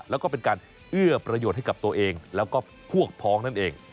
แล้วก็เป็นการเอื้อประโยชน์ให้กับตัวเองแล้วก็พวกพ้องนั่นเอง